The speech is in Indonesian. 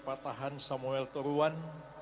pak tahan samuel teruan